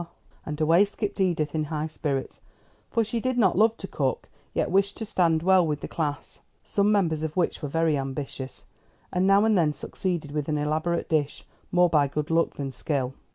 And away skipped Edith in high spirits, for she did not love to cook, yet wished to stand well with the class, some members of which were very ambitious, and now and then succeeded with an elaborate dish, more by good luck than skill.